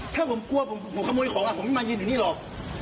ถ้าผมกลัวผมขโมยของผมไม่มายืนอยู่นี่หรอก